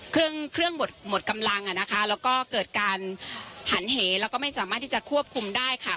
เครื่องเครื่องหมดกำลังอ่ะนะคะแล้วก็เกิดการหันเหแล้วก็ไม่สามารถที่จะควบคุมได้ค่ะ